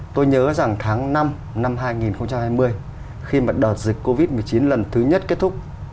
tôi nhớ rằng tháng năm năm hai nghìn hai mươi khi mà đợt dịch covid một mươi chín lần thứ nhất kết thúc